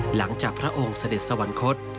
หลังจากพระองค์เสด็จสวรรคต